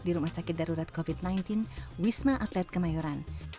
di rumah sakit darurat covid sembilan belas wisma atlet kemayoran